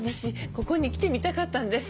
ここに来てみたかったんです。